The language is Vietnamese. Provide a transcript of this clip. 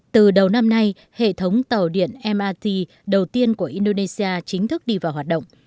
từ đầu năm nay hệ thống tàu điện mrt đầu tiên của indonesia chính thức đi vào hoạt động